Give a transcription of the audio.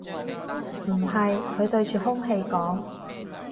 唔係，佢對住空氣講